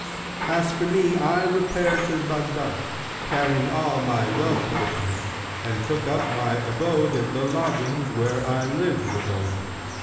As for me, I repaired to Baghdad, carrying all my wealth with me, and took up my abode in the lodgings where I lived whilome.